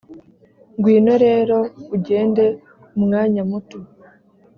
ngwino rero ugende umwanya muto